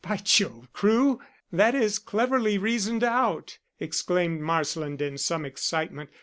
"By Jove, Crewe, that is cleverly reasoned out!" exclaimed Marsland, in some excitement.